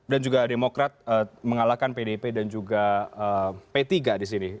dan juga demokrat mengalahkan pdp dan juga p tiga di sini